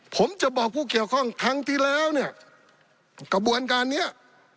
ผมจะบอกผู้เกี่ยวข้องครั้งที่แล้วเนี่ยกระบวนการเนี้ย